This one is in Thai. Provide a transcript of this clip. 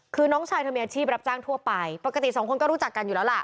คือน้องชายเธอมีอาชีพรับจ้างทั่วไปปกติสองคนก็รู้จักกันอยู่แล้วล่ะ